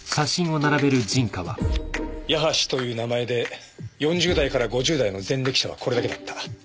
ヤハシという名前で４０代から５０代の前歴者はこれだけだった。